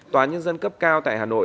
tòa án nhân dân cấp cao tại hà nội